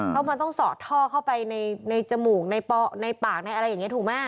เพราะมันต้องสอดท่อเข้าไปในจมูกในปากในอะไรอย่างนี้ถูกไหม